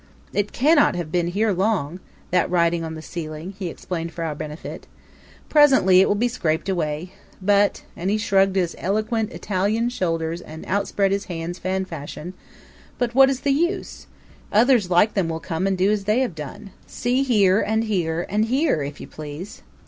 "It cannot have been here long that writing on the ceiling," he explained for our benefit. "Presently it will be scraped away. But" and he shrugged his eloquent Italian shoulders and outspread his hands fan fashion "but what is the use? Others like them will come and do as they have done. See here and here and here, if you please!"